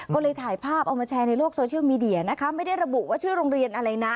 ก็เลยถ่ายภาพเอามาแชร์ในโลกโซเชียลมีเดียนะคะไม่ได้ระบุว่าชื่อโรงเรียนอะไรนะ